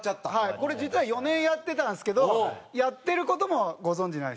これ実は４年やってたんですけどやってる事もご存じないですよね？